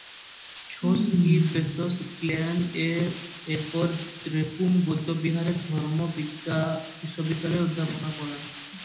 ছোস-ক্যি-ব্শেস-গ্ন্যেন এরপর দ্রেপুং বৌদ্ধবিহারে ধর্ম বিশ্ববিদ্যালয়ে অধ্যাপনা করেন।